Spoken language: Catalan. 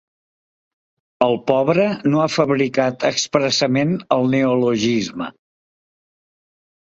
El pobre no ha fabricat expressament el neologisme.